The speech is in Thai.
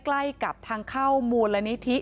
ใกล้กับทางเข้ามูลนิธิ